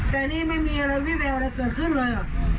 แต่นี่ไม่มีอะไรวิแววอะไรเกิดขึ้นเลย